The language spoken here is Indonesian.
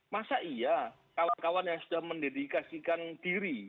masa iya kawan kawan yang sudah mendedikasikan diri